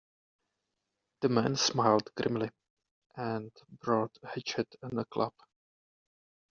The man smiled grimly, and brought a hatchet and a club.